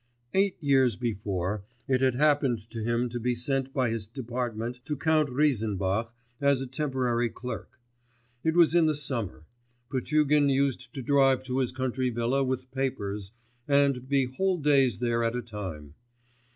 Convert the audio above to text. Eight years before, it had happened to him to be sent by his department to Count Reisenbach as a temporary clerk. It was in the summer. Potugin used to drive to his country villa with papers, and be whole days there at a time.